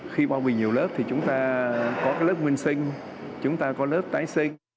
khi bao bì nhiều lớp thì chúng ta có cái lớp nguyên sinh chúng ta có lớp tái sinh